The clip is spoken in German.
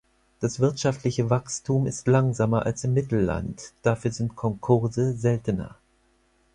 Das wirtschaftliche Wachstum ist langsamer als im Mittelland, dafür sind Konkurse seltener.